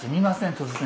突然。